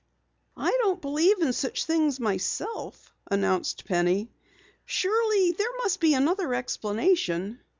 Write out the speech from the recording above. "I don't believe in such things myself," announced Penny. "Surely there must be another explanation."